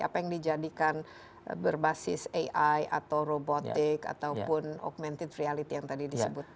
apa yang dijadikan berbasis ai atau robotik ataupun augmented reality yang tadi disebut